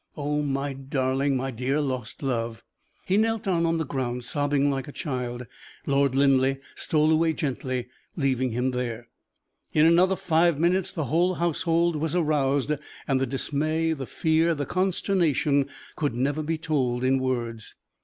Oh, my darling! my dear lost love!" He knelt down on the ground, sobbing like a child. Lord Linleigh stole away gently, leaving him there. In another five minutes the whole household was aroused, and the dismay, the fear, the consternation could never be told in words.